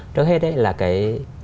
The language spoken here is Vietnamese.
trước hết đấy là cái